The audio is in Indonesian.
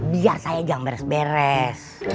biar saya gang beres beres